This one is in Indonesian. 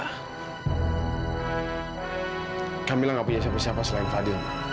kak mila gak punya siapa siapa selain fadil